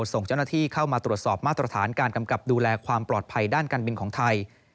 ส่งเจ้าหน้าที่เข้ามาตรวจสอบมาตรฐานการกำกับดูแลความปลอดภัยด้านการบินของไทย